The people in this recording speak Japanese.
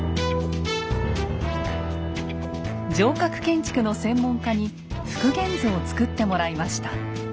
城郭建築の専門家に復元図を作ってもらいました。